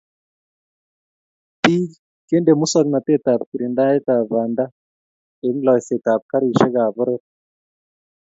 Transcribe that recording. Biik, kende musokanetatb kiringdaetab banda eng loiseetab garisyekab poror.